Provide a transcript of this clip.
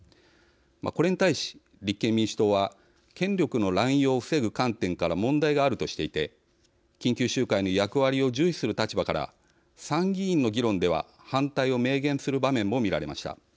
これに対し、立憲民主党は権力の乱用を防ぐ観点から問題があるとしていて緊急集会の役割を重視する立場から参議院の議論では反対を明言する場面も見られました。